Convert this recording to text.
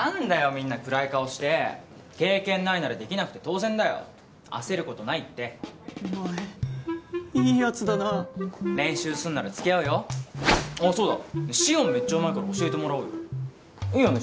みんな暗い顔して経験ないならできなくて当然だよ焦ることないってお前いいヤツだな練習すんなら付き合うよあっそうだ紫音めっちゃうまいから教えてもらおうよいいよね？